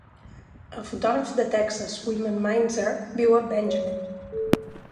El fotògraf de Texas, Wyman Meinzer, viu a Benjamin.